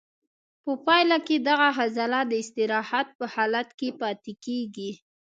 په پایله کې دغه عضله د استراحت په حالت کې پاتې کېږي.